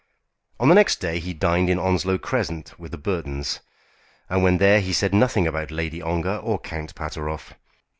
On the next day he dined in Onslow Crescent with the Burtons, and when there he said nothing about Lady Ongar or Count Pateroff.